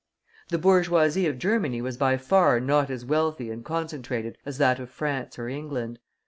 The bourgeoisie of Germany was by far not as wealthy and concentrated as that of France or England.